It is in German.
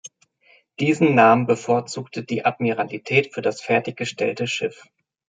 Diesen Namen bevorzugte die Admiralität für das fertiggestellte Schiff.